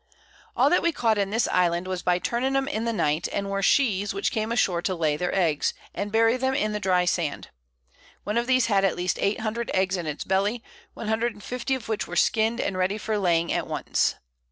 All that we caught in this Island was by turning 'em in the Night, and were She's, which came ashore to lay their Eggs, and bury them in the dry Sand: One of these had at least 800 Eggs in its Belly, 150 of which were skin'd, and ready for laying at once.